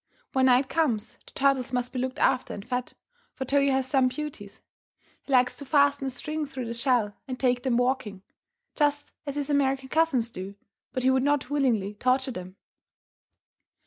When night comes the turtles must be looked after and fed, for Toyo has some beauties. He likes to fasten a string through the shell and take them walking, just as his American cousins do, but he would not willingly torture them.